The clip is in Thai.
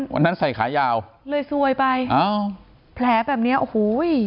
ใส่ขายาวเลยซวยไปอ้าวแผลแบบเนี้ยโอ้โห